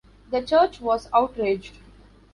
The church was outraged.